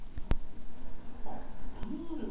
あっプール。